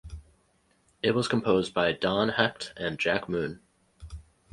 It was composed by Don Hecht and Jack Moon.